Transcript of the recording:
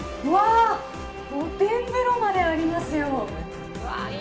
露天風呂までありますよ。